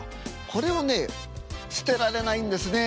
これをね捨てられないんですね。